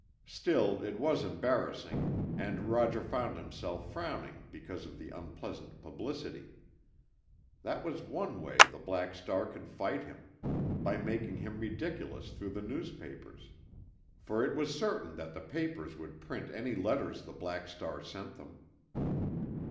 Still, it was embarrassing, and Roger found himself frowning because of the unpleasant publicity. That was one way the Black Star could fight him—by making him ridiculous through the newspapers; for it was certain that the papers would print any letters the Black Star sent them.